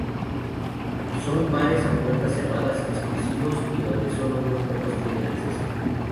Son bares a puertas cerradas, exclusivos y dónde sólo unos pocos tienen acceso.